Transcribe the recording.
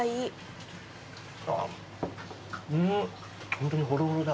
ホントにホロホロだ。